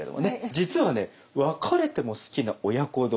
実はね「別れても好きな親子丼」あるんですよ。